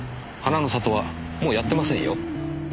花の里はもうやってませんよ。